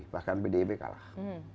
bahkan pdib kalah